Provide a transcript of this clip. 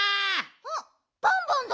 あっバンバンだ。